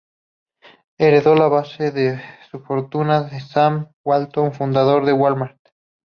Heredó la base de su fortuna de Sam Walton, fundador de Wal-Mart.